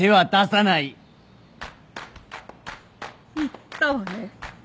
言ったわね。